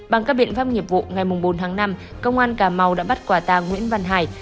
bằng các biện pháp nghiệp vụ ngày bốn tháng năm công an cà mau đã bắt quả tàng nguyễn văn hải